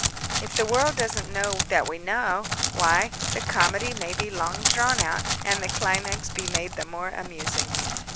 If the world doesn't know that we know, why, the comedy may be long drawn out and the climax be made the more amusing."